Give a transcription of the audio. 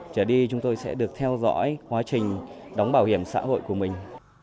trở đi chúng tôi sẽ được theo dõi quá trình đóng bảo hiểm xã hội của mình